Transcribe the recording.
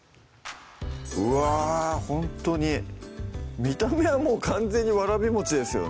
うわぁほんとに見た目はもう完全にわらびですよね